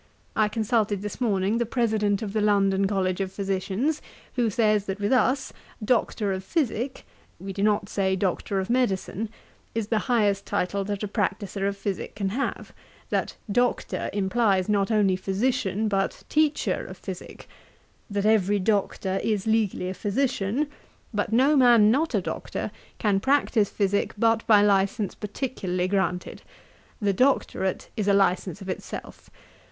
'I consulted this morning the President of the London College of Physicians, who says, that with us, Doctor of Physick (we do not say Doctor of Medicine) is the highest title that a practicer of physick can have; that Doctor implies not only Physician, but teacher of physick; that every Doctor is legally a Physician; but no man, not a Doctor, can practice physick but by licence particularly granted. The Doctorate is a licence of itself.